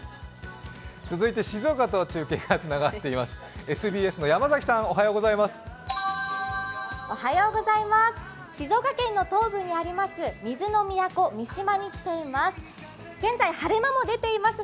静岡と中継がつながっています。